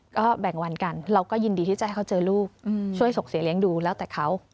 ก็แบ่งวันกันเราก็ยินดีที่จะให้เขาเจอลูกช่วยส่งเสียเลี้ยงดูแล้วแต่เขา